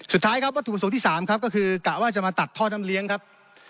สุดท้ายครับวัตถุประสงค์ที่๓ครับก็คือกะว่าจะมาตัดท่อน้ำเลี้ยงครับ